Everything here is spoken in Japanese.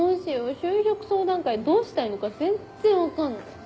就職相談会どうしたいのか全然分かんない。